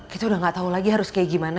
kita udah gak tau lagi harus kayak gimana